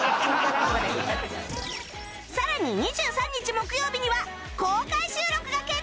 さらに２３日木曜日には公開収録が決定！